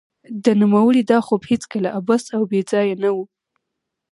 د نوموړي دا خوب هېڅکله عبث او بې ځای نه و